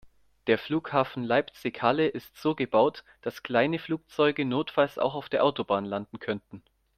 Der Flughafen Leipzig/Halle ist so gebaut, dass kleine Flugzeuge notfalls auch auf der Autobahn landen könnten.